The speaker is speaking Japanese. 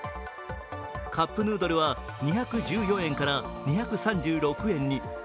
カップヌードルは２１４円から２３６円に。